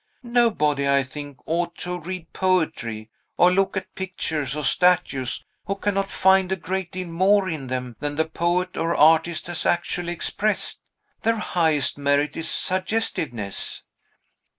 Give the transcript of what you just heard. Nobody, I think, ought to read poetry, or look at pictures or statues, who cannot find a great deal more in them than the poet or artist has actually expressed. Their highest merit is suggestiveness."